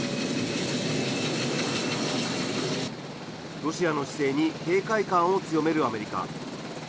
ロシアの姿勢に警戒感を強めるアメリカ。